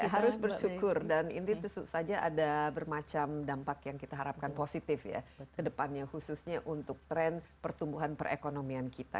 kita harus bersyukur dan ini tentu saja ada bermacam dampak yang kita harapkan positif ya ke depannya khususnya untuk tren pertumbuhan perekonomian kita